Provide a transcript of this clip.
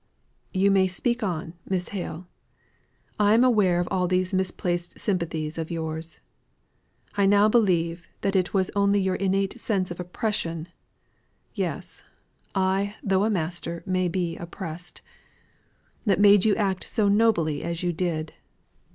"You may speak on, Miss Hale. I am aware of these misplaced sympathies of yours. I now believe that it was only your innate sense of oppression (yes; I, though a master, may be oppressed) that made you act so nobly as you did.